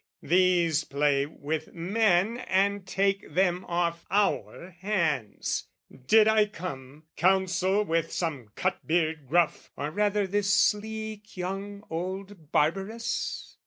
"These play with men and take them off our hands. "Did I come, counsel with some cut beard gruff "Or rather this sleek young old barberess?